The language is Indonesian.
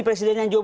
presiden yang jauh